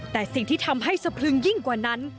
แต่สิ่งที่ทำให้สะพรึงยิ่งกว่านั้น